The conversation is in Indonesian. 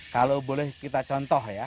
kalau boleh kita contoh ya